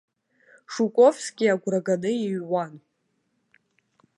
Жуковски агәра ганы иҩуан.